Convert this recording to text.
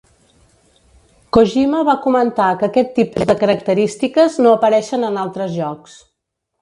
Kojima va comentar que aquest tipus de característiques no apareixen en altres jocs.